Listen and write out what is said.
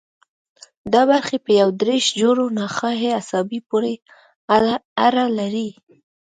دا برخې په یو دېرش جوړو نخاعي عصبو پورې اړه لري.